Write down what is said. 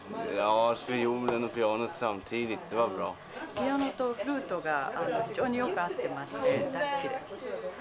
ピアノとフルートが非常によく合ってまして大好きです。